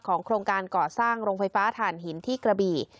โครงการก่อสร้างโรงไฟฟ้าถ่านหินที่กระบี่